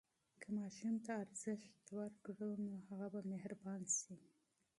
که ماشوم ته ارزښت ورکړو، نو هغه به مهربان شي.